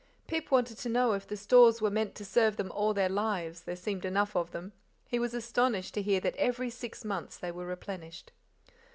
Pip wanted to know if the stores were meant to serve them all their lives, there seemed enough of them: he was astonished to hear that every six months they were replenished.